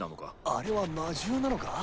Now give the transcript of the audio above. ・・あれは魔獣なのか？